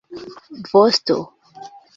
vosto